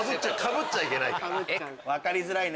分かりづらいね！